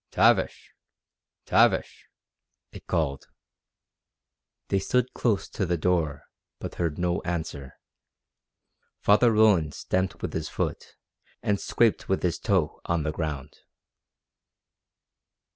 "Tavish! Tavish!" it called. They stood close to the door, but heard no answer. Father Roland stamped with his foot, and scraped with his toe on the ground.